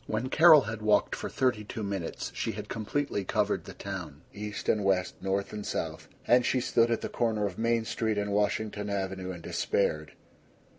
II When Carol had walked for thirty two minutes she had completely covered the town, east and west, north and south; and she stood at the corner of Main Street and Washington Avenue and despaired.